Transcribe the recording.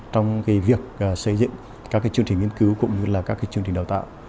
trong cái việc xây dựng các cái chương trình nghiên cứu cũng như là các cái chương trình đào tạo